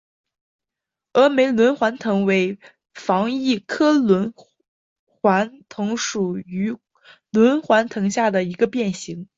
峨眉轮环藤为防己科轮环藤属轮环藤下的一个变型。